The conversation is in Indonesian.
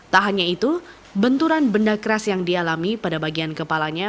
tak hanya itu benturan benda keras yang dialami pada bagian kepalanya